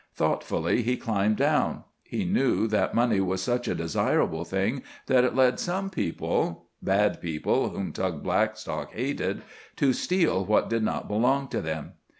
Thoughtfully he climbed down. He knew that money was such a desirable thing that it led some people—bad people whom Tug Blackstock hated—to steal what did not belong to them.